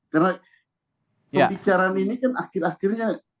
karena pembicaraan ini kan akhir akhirnya